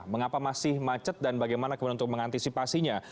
mengapa masih macet dan bagaimana kemudian untuk mengantisipasinya